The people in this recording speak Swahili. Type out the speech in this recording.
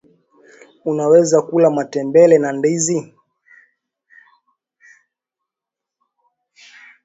unaweza kula matembele na ndizi